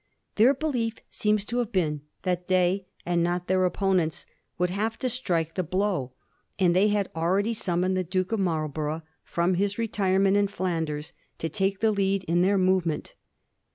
Their belief seems to have been that they, and not their opponents, would have to strike the blow, and they had already sum moned the Duke of Marlborough from his retirement in Flanders to take the lead in their movement.